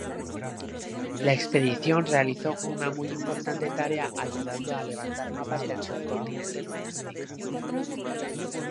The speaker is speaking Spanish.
La expedición realizó una muy importante tarea ayudando a levantar mapas del subcontinente norteamericano.